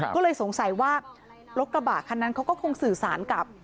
ก็เลยสงสัยว่ารถกระบะคันนั้นเขาก็คงสื่อสารกับ